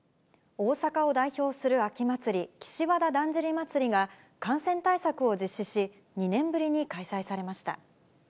大阪を代表する秋祭り、岸和田だんじり祭が、感染対策を実施し、２年ぶりに開催されました。